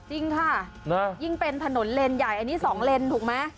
จริงค่ะยิ่งเป็นถนนเลนใหญ่อันนี้๒เลนถูกไหม